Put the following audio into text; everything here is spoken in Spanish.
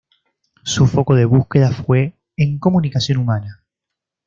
Su foco de búsqueda fue en comunicación humana.